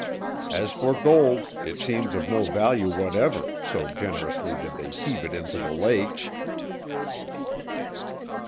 As for gold, it seems of no value whatever, so generously did they heave it into the lake."